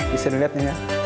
di sini lihat nih ya